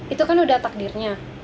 itu kan udah takdirnya